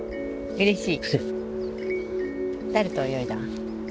うれしい。